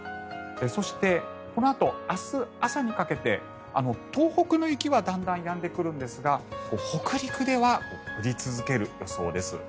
そして、このあと明日朝にかけて東北の雪はだんだんやんでくるんですが北陸では降り続ける予想です。